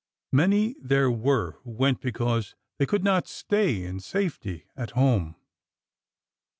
Many there were who went be cause they could not stay in safety at home.